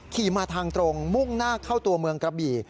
ขี่มาทางตรงมุ่งหน้าเข้าตัวเมืองกระบี่